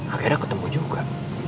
akhirnya ketemu juga